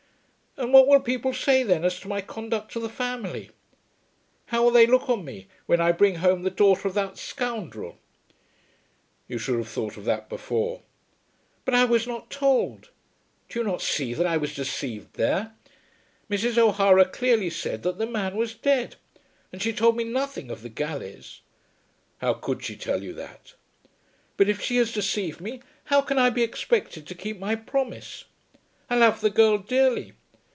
"And what will people say then as to my conduct to the family? How will they look on me when I bring home the daughter of that scoundrel?" "You should have thought of that before." "But I was not told. Do you not see that I was deceived there. Mrs. O'Hara clearly said that the man was dead. And she told me nothing of the galleys." "How could she tell you that?" "But if she has deceived me, how can I be expected to keep my promise? I love the girl dearly.